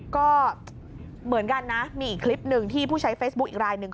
ก็เหมือนกันนะมีอีกคลิปหนึ่งที่ผู้ใช้เฟซบุ๊คอีกรายหนึ่ง